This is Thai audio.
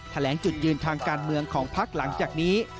แถลงจุดยืนทางการเมืองของพักหลังจากนี้